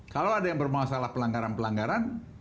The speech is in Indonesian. kalau ada yang bermasalah pelanggaran pelanggaran